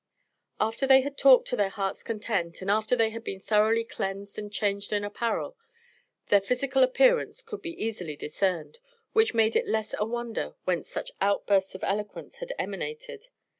After they had talked to their hearts' content, and after they had been thoroughly cleansed and changed in apparel, their physical appearance could be easily discerned, which made it less a wonder whence such outbursts of eloquence had emanated.